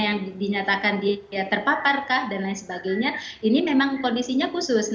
yang dinyatakan dia terpapar kah dan lain sebagainya ini memang kondisinya khusus